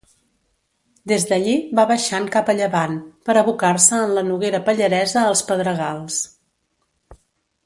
Des d'allí va baixant cap a llevant, per abocar-se en la Noguera Pallaresa als Pedregals.